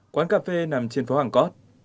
quán cà phê nằm trên phố hàng cót